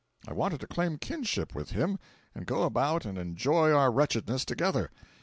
I wanted to claim kinship with him and go about and enjoy our wretchedness together.